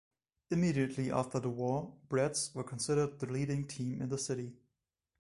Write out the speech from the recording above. Immediately after the war, Bretts were considered the leading team in the city.